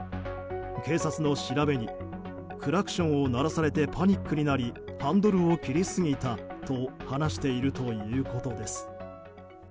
警察の調べにクラクションを鳴らされてパニックになりハンドルを切りすぎたと話しているということです。